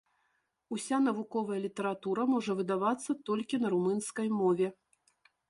Уся навуковая літаратура можа выдавацца толькі на румынскай мове.